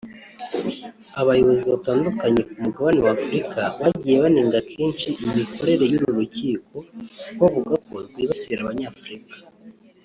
Abayobozi batandukanye ku mugabane wa Afurika bagiye banenga kenshi imikorere y’uru rukiko bavuga ko rwibasira Abanyafurika